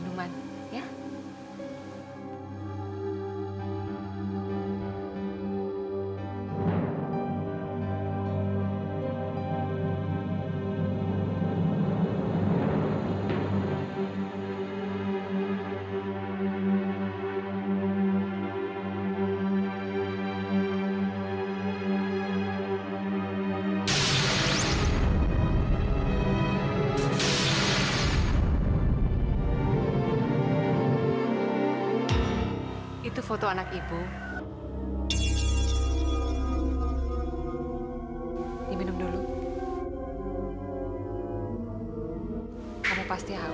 seperti siapa sendiri yang memiliki istri anda